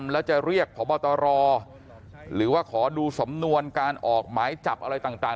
แล้วจะเรียกพบตรหรือว่าขอดูสำนวนการออกหมายจับอะไรต่าง